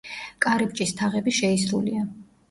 კარიბჭის თაღები შეისრულია.